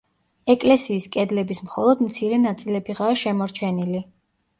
ეკლესიის კედლების მხოლოდ მცირე ნაწილებიღაა შემორჩენილი.